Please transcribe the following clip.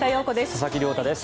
佐々木亮太です。